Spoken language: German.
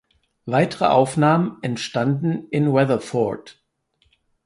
Weitere Aufnahmen entstanden in Weatherford.